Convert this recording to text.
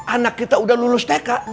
anak kita udah lulus tk